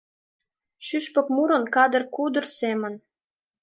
Шÿшпык мурын кадыр-кудыр семым